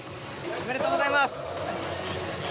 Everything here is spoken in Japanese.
おめでとうございます。